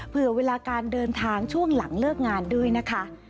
เผื่อเวลาการเดินทางช่วงหลังเลิกงานด้วยนะคะ